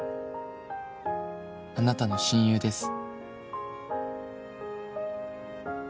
「あなたの親友です」